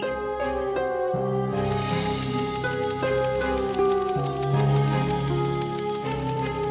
tapi yang paling bersemangat adalah sang raja sendiri